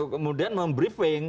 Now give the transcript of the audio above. kemudian memberi peng